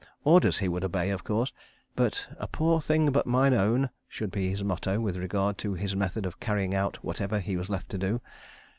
Orders he would obey, of course—but "a poor thing but mine own" should be his motto with regard to his method of carrying out whatever he was left to do.